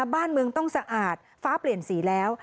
บ้านเมืองต้องสะอาดฟ้าเปลี่ยนสีแล้ว